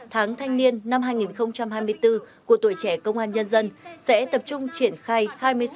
tháng thanh niên năm hai nghìn hai mươi bốn của tuổi trẻ công an nhân dân sẽ tập trung triển khai hai mươi năm